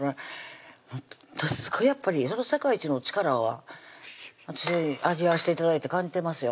やっぱりそら世界一の力は私味わわせて頂いて感じてますよ